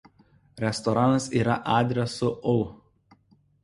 Restoranas yra adresu ul.